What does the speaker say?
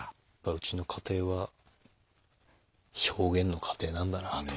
うちの家庭は表現の家庭なんだなあと。